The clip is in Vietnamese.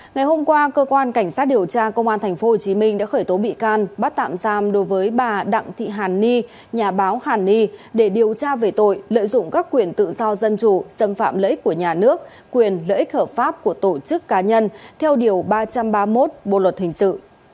ngày hôm qua cơ quan cảnh sát điều tra công an tp hcm đã khởi tố bị can bắt tạm giam đối với bà đặng thị hàn ni nhà báo hàn ni để điều tra về tội lợi dụng các quyền tự do dân chủ xâm phạm lợi ích của nhà nước quyền lợi ích hợp pháp của tổ chức cá nhân theo điều ba trăm ba mươi một bộ luật hình sự